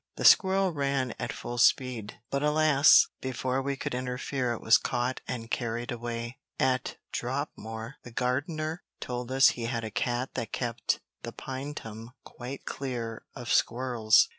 The squirrel ran at full speed, but alas! before we could interfere it was caught and carried away. At Dropmore, the gardener told us he had a cat that kept the Pinetum quite clear of squirrels.